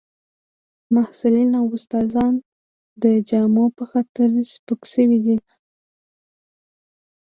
محصلین او استادان د جامو په خاطر سپک شوي دي